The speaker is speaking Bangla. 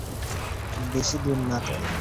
বেশি দূর নাতো।